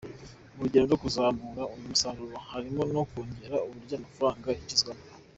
Mu rugendo rwo kuzamura uyu musaruro harimo no kongera uburyo amafaranga yinjizwamo.